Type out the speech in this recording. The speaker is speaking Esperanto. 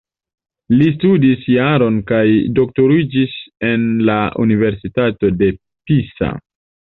Li studis juron kaj doktoriĝis en la Universitato de Pisa.